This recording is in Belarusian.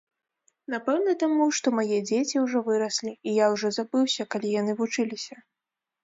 Напэўна таму, што мае дзеці ўжо выраслі, і я ўжо забыўся, калі яны вучыліся.